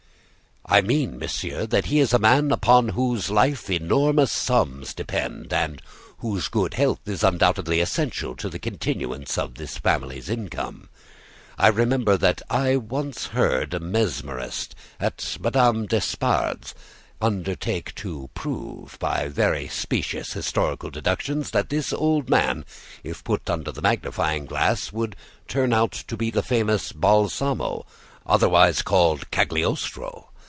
"I mean, monsieur, that he is a man upon whose life enormous sums depend, and whose good health is undoubtedly essential to the continuance of this family's income. I remember that I once heard a mesmerist, at Madame d'Espard's, undertake to prove by very specious historical deductions, that this old man, if put under the magnifying glass, would turn out to be the famous Balsamo, otherwise called Cagliostro.